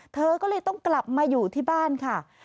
เธอก็เลยต้องกลับมาอยู่ที่บ้านค่ะ